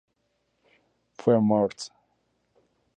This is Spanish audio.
Fue Morts.